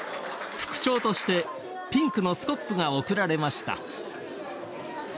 副賞としてピンクのスコップが贈られました。